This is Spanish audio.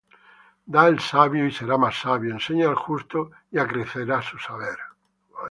Da al sabio, y será más sabio: Enseña al justo, y acrecerá su saber.